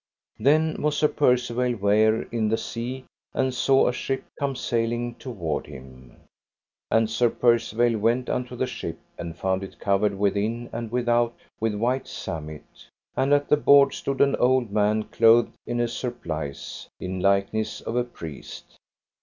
Then was Sir Percivale ware in the sea, and saw a ship come sailing toward him; and Sir Percivale went unto the ship and found it covered within and without with white samite. And at the board stood an old man clothed in a surplice, in likeness of a priest.